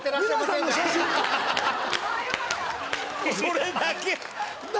それだけ？